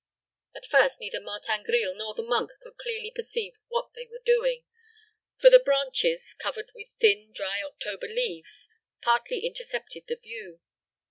At first neither Martin Grille nor the monk could clearly perceive what they were doing, for the branches, covered with thin, dry October leaves, partly intercepted the view.